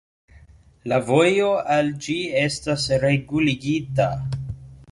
La vojo al ĝi estas reguligita.